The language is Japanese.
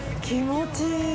気持ちいい。